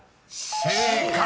［正解！